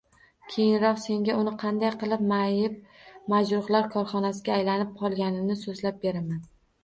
Keyinroq senga uni qanday qilib mayib-majruhlar korxonasiga aylanib qolganini so`zlab beraman